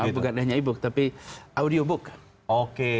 bukan hanya e book tapi audio book